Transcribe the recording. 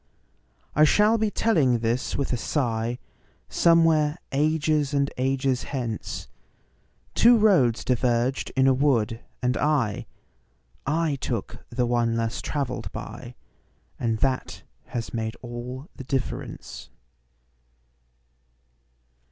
I shall be telling this with a sighSomewhere ages and ages hence:Two roads diverged in a wood, and I—I took the one less traveled by, And that has made all the difference.